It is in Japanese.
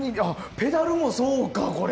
ペダルもそうか、これ。